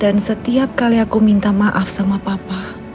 dan setiap kali aku minta maaf sama papa